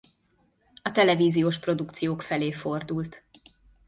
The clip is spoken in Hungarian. A televíziós produkciók felé fordult.